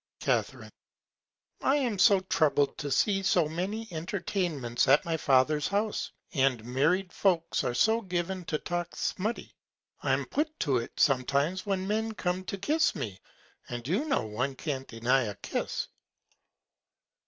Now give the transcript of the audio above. Ca. I am troubled to see so many Entertainments at my Father's House, and marry'd Folks are so given to talk smutty; I'm put to't sometimes when Men come to kiss me, and you know one can't well deny a Kiss.